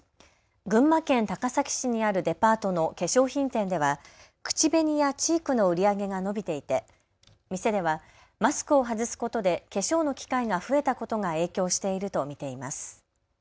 群馬県高崎市にあるデパートの化粧品店では口紅やチークの売り上げが伸びていて店ではマスクを外すことで化粧の機会が増えたことが影響していると見ています。